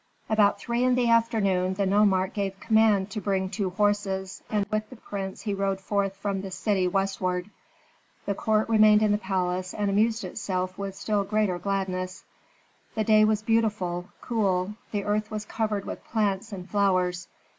About three in the afternoon, the nomarch gave command to bring two horses, and with the prince he rode forth from the city westward. The court remained in the palace and amused itself with still greater gladness. The day was beautiful, cool; the earth was covered with plants and flowers.